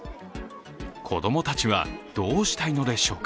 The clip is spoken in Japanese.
子供たちはどうしたいのでしょうか。